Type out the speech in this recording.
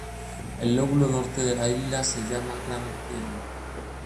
El lóbulo norte de la isla se llama Grant Tierra.